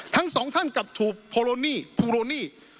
ทั้งสองท่านกับถูกพูโรนี่